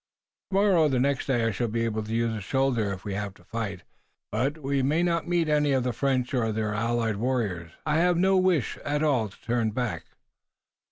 "Tomorrow or next day I shall be able to use the shoulder if we have to fight, but we may not meet any of the French or their allied warriors. I have no wish at all to turn back."